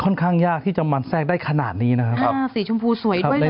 ค่อนข้างยากที่จะมันแทรกได้ขนาดนี้นะครับอ่าสีชมพูสวยด้วยเลย